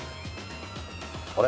あれ？